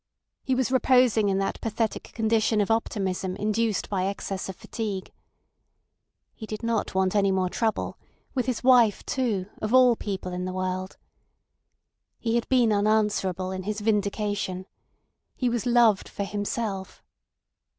He was reposing in that pathetic condition of optimism induced by excess of fatigue. He did not want any more trouble—with his wife too—of all people in the world. He had been unanswerable in his vindication. He was loved for himself.